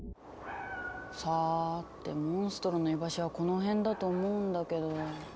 さてモンストロの居場所はこの辺だと思うんだけど。